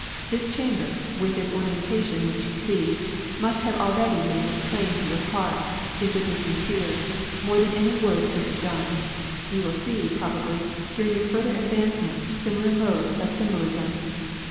This chamber, with its ornamentation which you see, must have already made this plain to your heart, if it is sincere, more than any words could have done. You will see, probably, during your further advancement, similar modes of symbol ism.